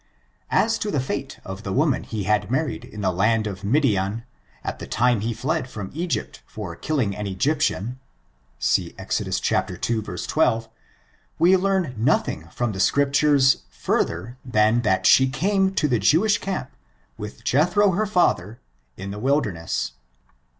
As to the fate of the woman he had married in the land of Hfdian, at the time he fled from Egypt for killing an Egyptian, see Exo. u, 12, we learn noth ing Utom the Scriptures further than that ^e came to the Jewish camp, with Jethro her father, in the wilderness.